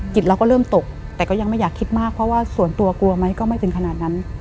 เราก็เริ่มตกแต่ก็ยังไม่อยากคิดมากเพราะว่าส่วนตัวกลัวไหมก็ไม่ถึงขนาดนั้น